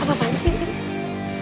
apa apaan sih ini